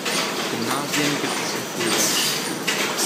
Gymnasien gibt es in Fulda.